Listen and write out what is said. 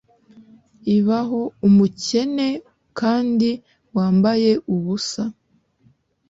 ibh umukene kandi wambaye ubusa